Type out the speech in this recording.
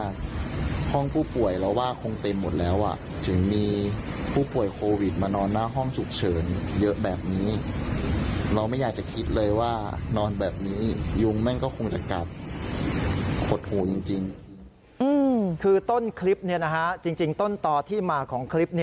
คือต้นคลิปจริงต้นต่อที่มาของคลิป